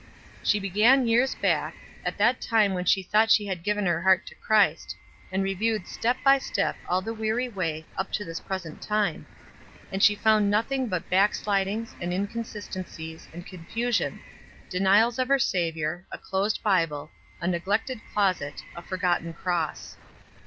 She began years back, at that time when she thought she had given her heart to Christ, and reviewed step by step all the weary way, up to this present time; and she found nothing but backslidings, and inconsistencies, and confusion denials of her Savior, a closed Bible, a neglected closet, a forgotten cross.